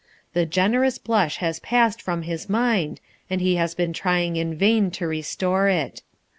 The generous blush has passed from his mind and he has been trying in vain to restore it.